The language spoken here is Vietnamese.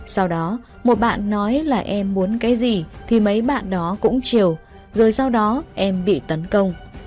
sau đó một bạn nói là em muốn cái gì thì mấy bạn đó cũng chiều rồi sau đó em bị tấn công